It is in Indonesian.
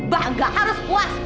bah gak harus puas